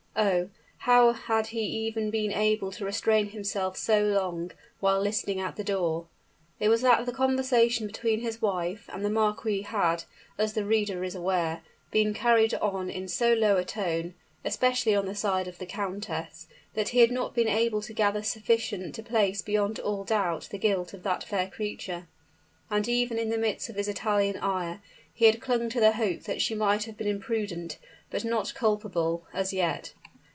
Oh! how had he even been able to restrain himself so long, while listening at the door? It was that the conversation between his wife and the marquis had, as the reader is aware, been carried on in so low a tone especially on the side of the countess, that he had not been able to gather sufficient to place beyond all doubt the guilt of that fair creature; and even in the midst of his Italian ire, he had clung to the hope that she might have been imprudent but not culpable, as yet!